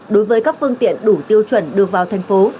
đối với các phương tiện đủ tiêu chuẩn đưa vào thành phố